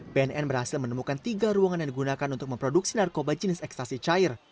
bnn berhasil menemukan tiga ruangan yang digunakan untuk memproduksi narkoba jenis ekstasi cair